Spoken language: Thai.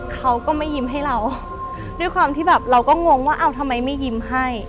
เขาก็ไม่ยิ้มให้เราด้วยความที่แบบเราก็งงว่าเอาทำไมไม่ยิ้มให้